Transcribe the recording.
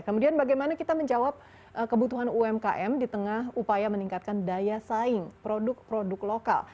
kemudian bagaimana kita menjawab kebutuhan umkm di tengah upaya meningkatkan daya saing produk produk lokal